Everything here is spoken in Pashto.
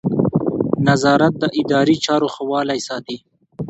نظارت د اداري چارو ښه والی ساتي.